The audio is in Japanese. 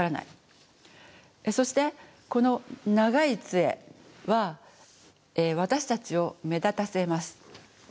そしてこの長い杖は私たちを目立たせます。